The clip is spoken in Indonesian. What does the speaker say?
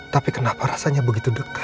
tapi kenapa rasanya begitu dekat